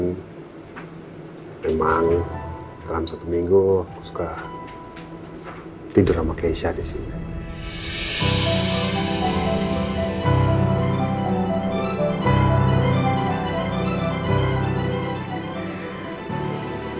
cuman emang dalam satu minggu aku suka tidur sama keisha disini